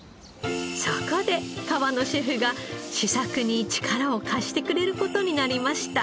そこで河野シェフが試作に力を貸してくれる事になりました。